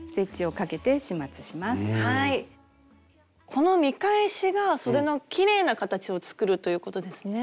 この見返しがそでのきれいな形を作るということですね。